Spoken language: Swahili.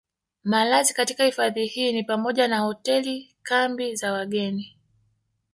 Malazi katika Hifadhi hii ni pamoja na Hotel kambi za wageni